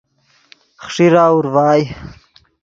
خیݰیرہ اورڤائے